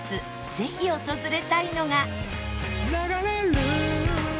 ぜひ訪れたいのが